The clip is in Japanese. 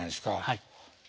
はい。